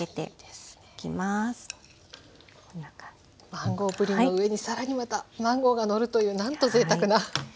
マンゴープリンの上に更にまたマンゴーがのるというなんとぜいたくな。